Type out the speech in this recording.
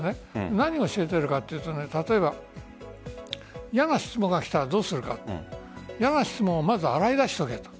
何を教えているかというと嫌な質問が来たらどうするか嫌な質問をまず洗い出しておけと。